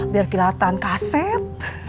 biar kelihatan kaset